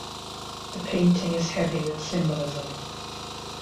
The painting is heavy with symbolism.